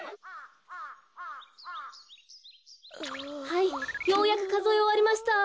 はいようやくかぞえおわりました。